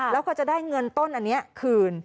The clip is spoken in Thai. แล้วก็จะได้เงินต้นอันนี้คืน